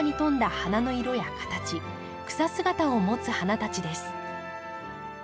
花の色や形草姿を持つ花たちです。